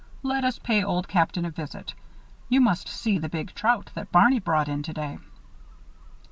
Let us pay Old Captain a visit. You must see the big trout that Barney brought in today."